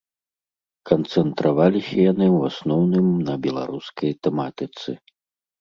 Канцэнтраваліся яны ў асноўным на беларускай тэматыцы.